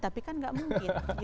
tapi kan tidak mungkin